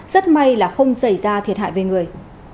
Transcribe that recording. rất may là không xảy ra thiệt hại về người